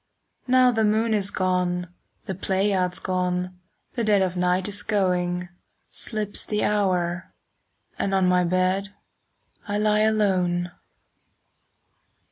Now the moon is gone, the Pleiads 5 Gone, the dead of night is going; Slips the hour, and on my bed I lie alone.